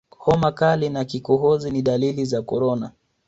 homa kali na kikohozi ni dalili za korona